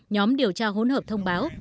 nhóm điều tra hỗn hợp thông báo